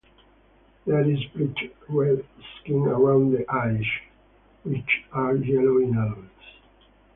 There is bright red skin around the eyes, which are yellow in adults.